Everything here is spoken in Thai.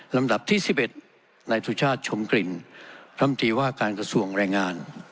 ลำดับที่สิบเอ็ดในธุชาติชมกลิ่นรัฐมนตรีว่าการกระทรวงแรงงาน